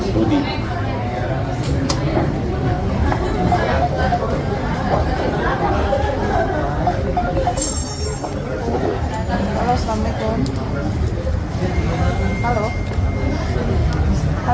polda sudah mulai kasih atensi kasusnya